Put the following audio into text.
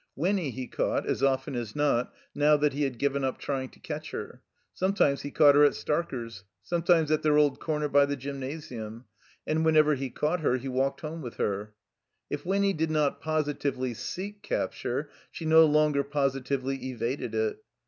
Winny he caught, as often as not, now that he had given up trying to catch her; sometimes he caught her at Starker's, sometimes at their old comer by the Gymnasium; and whenever he caught her he walked home with her. If Winny did not positively seek capture, she no longer positively evaded it.